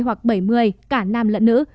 sáu mươi hoặc bảy mươi cả nam lẫn nữ